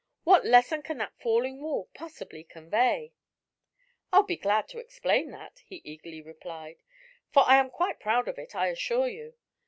"What lesson can that falling wall possibly convey?" "I'll be glad to explain that," he eagerly replied, "for I am quite proud of it, I assure you.